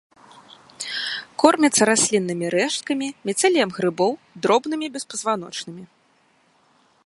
Кормяцца расліннымі рэшткамі, міцэліем грыбоў, дробнымі беспазваночнымі.